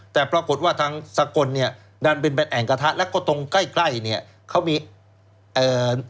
แต่ปรากฏว่าทางสกลเนี่ยดันเป็นเป็นแอ่งกระทะแล้วก็ตรงใกล้ใกล้เนี่ยเขามีเอ่อ